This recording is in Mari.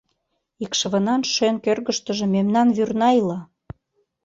Икшывынан шӧн кӧргыштыжӧ мемнан вӱрна ила!